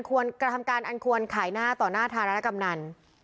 กระทำการอันควรขายหน้าต่อหน้าธารณกำนัน